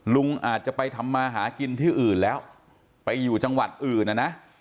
ลุงอาจจะไปทำมาหากินที่อื่นแล้วไปอยู่จังหวัดอื่นนะนะ